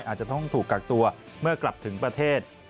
อาจจะต้องถูกกักตัวเมื่อกลับถึงประเทศ